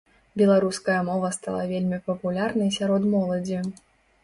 Беларуская мова стала вельмі папулярнай сярод моладзі.